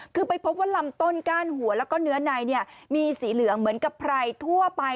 คือไปพบว่าลำต้นก้านหัวแล้วก็เนื้อในมีสีเหลืองเหมือนกับไพรทั่วไป